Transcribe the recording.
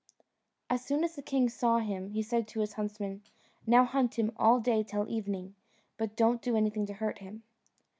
As soon as the king saw him, he said to his huntsmen, "Now hunt him all day till evening, but don't do anything to hurt him."